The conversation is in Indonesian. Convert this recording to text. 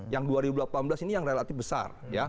yang dua ribu delapan belas ini yang relatif besar